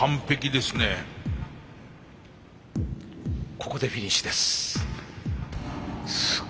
ここでフィニッシュです。